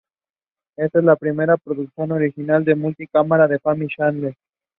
He was the son of American major general Joseph Bartholomew.